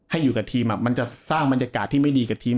ให้กับทีมมันจะสร้างบรรยากาศที่ไม่ดีกับทีม